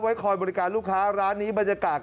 คอยบริการลูกค้าร้านนี้บรรยากาศ